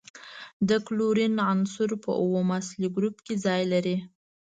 د کلورین عنصر په اووم اصلي ګروپ کې ځای لري.